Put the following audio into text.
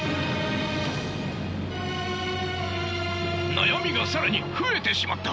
悩みが更に増えてしまった！